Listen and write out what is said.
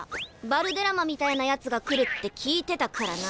バルデラマみたいなやつが来るって聞いてたからな。